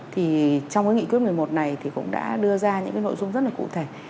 trong nghị quyết số một mươi một này cũng đã đưa ra những nội dung rất cụ thể